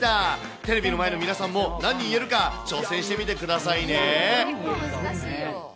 テレビの前の皆さんも、何人言えるか、挑戦してみてくださいね。